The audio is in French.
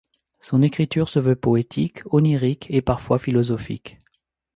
Son écriture se veut poétique, onirique et, parfois, philosophique.